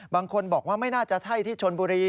บางคนบอกว่าไม่น่าจะใช่ที่ชนบุรี